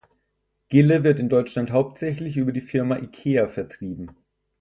Gille wird in Deutschland hauptsächlich über die Firma Ikea vertrieben.